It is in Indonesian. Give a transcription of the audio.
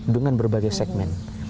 dengan berbagai segmen